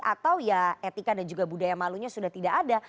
atau ya etika dan juga budaya malunya sudah tidak ada